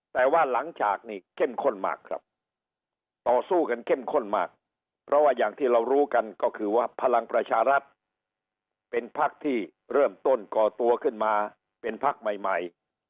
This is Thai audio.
แต่ว่าหลังฉากนี่เข้มข้นมากครับต่อสู้กันเข้มข้นมากเพราะว่าอย่างที่เรารู้กันก็คือว่าพลังประชารัฐเป็นพักที่เริ่มต้นก่อตัวขึ้นมาเป็นพักใหม่ใหม่